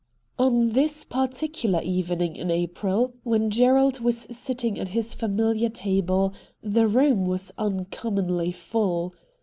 On this particular evening in April, when Gerald was sitting at his familiar table, the room was uncommonly full.